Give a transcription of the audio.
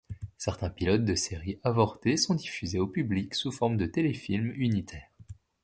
Certains pilotes de série avortées sont diffusés au public sous forme de téléfilm unitaire.